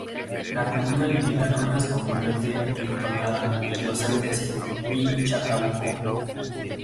La comuna limita con las comunas de Rinconada, Los Andes, y Chacabuco.